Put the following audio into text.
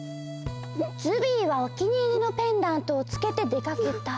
ズビーはお気に入りのペンダントをつけて出かけた。